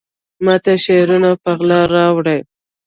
ماته شعرونه په غلا راوړي